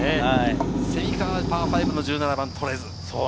蝉川、パー５の１７番は取れず。